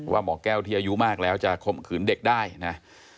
หมอแก้วที่อายุมากแล้วจะข่มขืนเด็กได้นะ